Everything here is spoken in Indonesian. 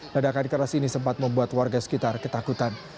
ledakan keras ini sempat membuat warga sekitar ketakutan